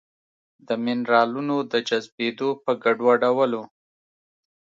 د مېنرالونو د جذبېدو په ګډوډولو